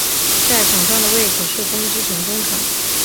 在场上的位置是攻击型中场。